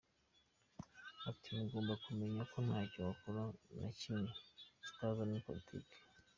Ati “Mugomba kumenya ko ntacyo wakora na kimwe kitazamo politike.